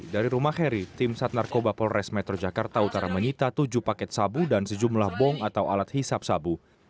dari rumah heri tim sat narkoba polres metro jakarta utara menyita tujuh paket sabu dan sejumlah bong atau alat hisap sabu